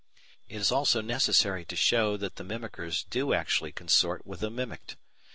It is also necessary to show that the mimickers do actually consort with the mimicked.